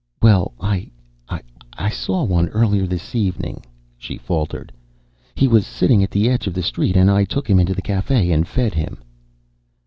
"Well I I saw one earlier this evening," she faltered. "He was sitting at the edge of the street and I took him into the cafe and fed him."